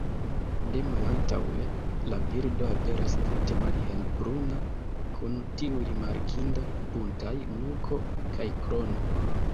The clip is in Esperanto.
De malantaŭe la birdo aperas tute malhelbruna kun tiu rimarkinda buntaj nuko kaj krono.